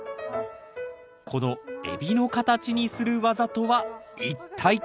この海老の形にする技とは一体？